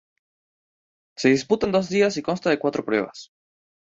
Se disputa en dos días y consta de cuatro pruebas.